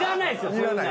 そんなん。